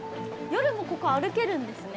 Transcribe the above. ◆夜もここ、歩けるんですね。